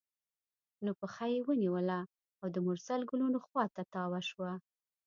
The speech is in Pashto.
نو پښه یې ونیوله او د مرسل ګلونو خوا ته تاوه شوه.